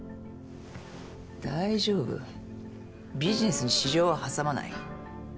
大丈夫ビジネスに私情は挟まない。